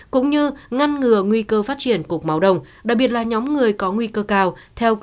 cũng như ngăn ngừa nguy cơ phát triển cục máu đông đặc biệt là nhóm người có nguy cơ cao theo global times